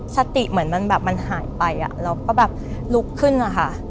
สติเหมือนมันแบบมันหายไปอ่ะแล้วก็แบบลุกขึ้นอ่ะค่ะ